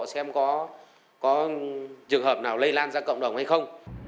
xem có có trường hợp nào lây lan ra cộng đồng hay không